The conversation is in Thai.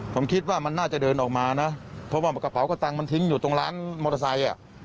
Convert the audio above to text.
ผมคิดว่ามันน่าจะเดินออกมานะเพราะว่ากระเป๋ากระตังค์มันทิ้งอยู่ตรงร้านมอเตอร์ไซค์อ่ะ